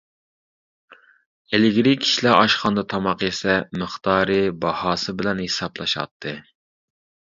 ئىلگىرى كىشىلەر ئاشخانىدا تاماق يېسە مىقدارى، باھاسى بىلەن ھېسابلىشاتتى.